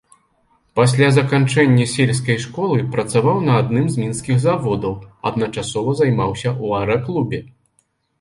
Пасля заканчэння сельскай школы працаваў на адным з мінскіх заводаў, адначасова займаўся ў аэраклубе.